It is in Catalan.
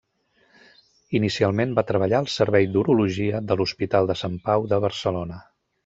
Inicialment va treballar al Servei d'Urologia de l'Hospital de Sant Pau de Barcelona.